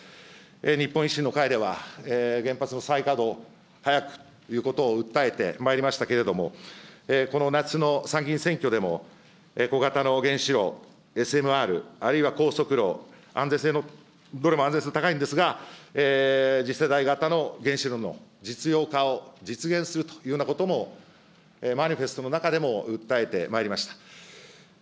日本維新の会では、原発の再稼働を早くということを訴えてまいりましたけれども、この夏の参議院選挙でも、小型の原子炉・ＳＭＲあるいは、高速炉、安全性の、どれも安全性が高いんですが、次世代型の原子炉の実用化を実現するというようなことも、マニフェストの中でも訴えてまいりました。